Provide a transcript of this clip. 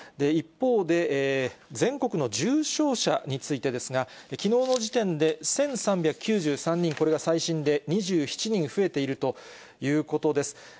一方で、全国の重症者についてですが、きのうの時点で１３９３人、これが最新で２７人増えているということです。